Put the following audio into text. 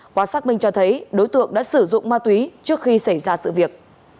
qua xác minh cho thấy đối tượng đã sử dụng ma túy trước khi xảy ra sự việc